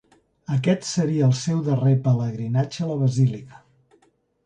Aquest seria el seu darrer pelegrinatge a la basílica.